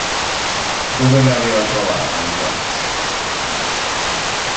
Dove l'aveva trovata Jacques?